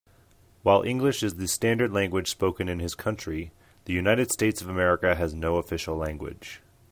While English is the standard language spoken in his country, the United States of America has no official language.